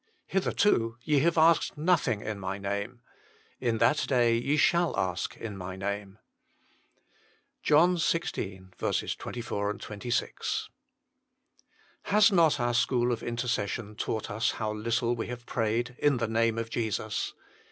Hitherto ye have asked nothing in My name. In that day ye shall ask in My name." JOHN xvi. 24, 26. Has not our school of intercession taught us how little \ve have prayed in the name of Jesus